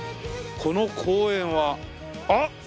「この公園は」あっ！